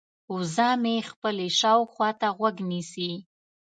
وزه مې خپلې شاوخوا ته غوږ نیسي.